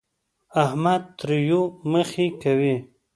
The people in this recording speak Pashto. احمد تريو مخی کوي.